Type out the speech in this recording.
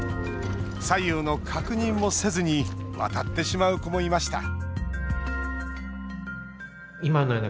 左右の確認もせずに渡ってしまう子もいました